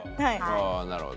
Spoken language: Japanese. なるほど。